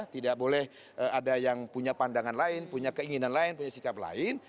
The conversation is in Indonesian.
tidak boleh ada yang punya pandangan lain punya keinginan lain punya sikap lain